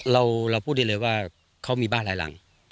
เราพูดได้เลยว่าเขามีบ้านหลายหลัง